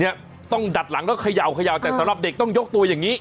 ต้องดัดหลังแล้วเขย่าแต่สำหรับเด็กต้องยกตัวอย่างนี้